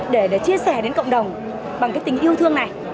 để chia sẻ đến cộng đồng bằng cái tình yêu thương này